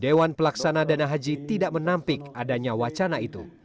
dewan pelaksana dana haji tidak menampik adanya wacana itu